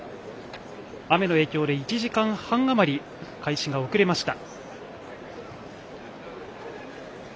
雨の影響で１時間半余り開始が遅れました。